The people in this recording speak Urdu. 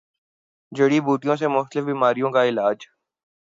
جڑی بوٹیوں سےمختلف بیماریوں کا علاج